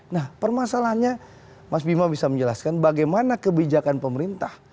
nah permasalahannya mas bima bisa menjelaskan bagaimana kebijakan pemerintah